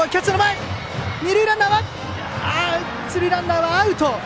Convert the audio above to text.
一塁ランナーはアウト。